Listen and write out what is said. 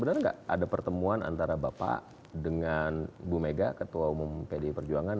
benar nggak ada pertemuan antara bapak dengan ibu mega ketua umum pdi perjuangan